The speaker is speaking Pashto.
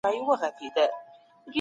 سیاستپوهنه له طبیعي علومو سره توپیر لري.